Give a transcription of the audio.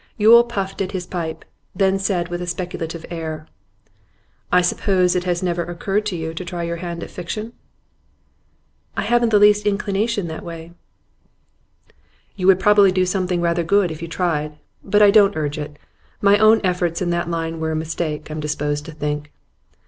Yule puffed at his pipe, then said with a speculative air: 'I suppose it has never even occurred to you to try your hand at fiction?' 'I haven't the least inclination that way.' 'You would probably do something rather good if you tried. But I don't urge it. My own efforts in that line were a mistake, I'm disposed to think.